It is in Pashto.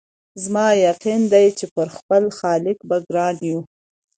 زما یقین دی چي پر خپل خالق به ګران یو